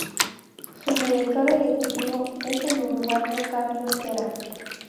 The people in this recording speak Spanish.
Su director ejecutivo es el uruguayo Carlos Pera.